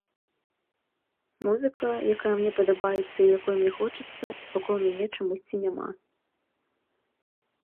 Музыка, якая мне падабаецца і якой мне хочацца, вакол мяне чамусьці няма.